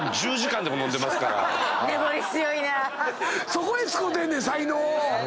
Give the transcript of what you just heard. そこへ使うてんねん才能を。